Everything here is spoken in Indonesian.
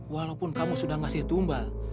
walaupun kamu sudah ngasih tumbal